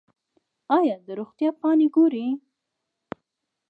ایا د روغتیا پاڼې ګورئ؟